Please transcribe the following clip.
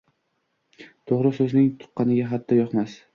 Toʼgʼri soʼzing tuqqaningga hatto yoqmas